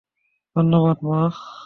ধন্যবাদ, মা।